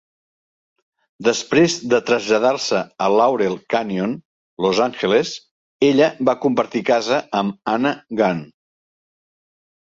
Després de traslladar-se a Laurel Canyon, Los Angeles, ella va compartir casa amb Anna Gunn.